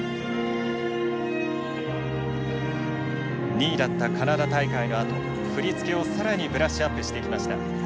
２位だったカナダ大会のあと振り付けを更にブラッシュアップしていきました。